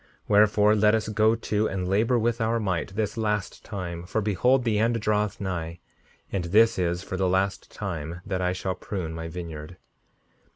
5:62 Wherefore, let us go to and labor with our might this last time, for behold the end draweth nigh, and this is for the last time that I shall prune my vineyard.